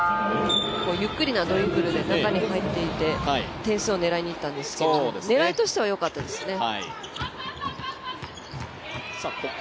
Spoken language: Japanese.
ゆっくりなドリブルで中に入って点数を狙いにいったんですけど狙いとしてはよかったですね。